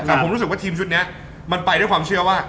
แต่ผมรู้สึกว่าทีมชุดนี้มันไปด้วยความเชื่อว่า